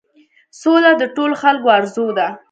سوله د ټولو خلکو آرزو ده.